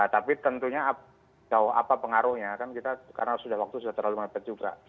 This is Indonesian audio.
tapi tentunya jauh apa pengaruhnya kan kita karena sudah waktu sudah terlalu mepet juga